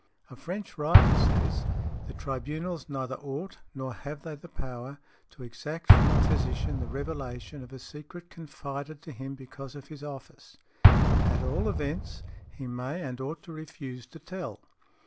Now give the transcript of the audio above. A French writer says, the tribunals neither ought, nor have they the power, to exact from a physician the revelation of a secret confided to him because of his office; at all events, he may and ought to refuse to tell.